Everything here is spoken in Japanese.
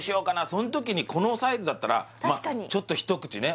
その時にこのサイズだったらまあちょっと一口ね